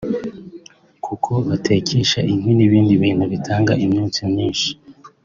kuko batekesha inkwi n’ibindi bintu bitanga imyotsi myinshi